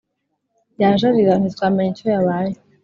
Yaje arira ntitwamenya icyo yabaye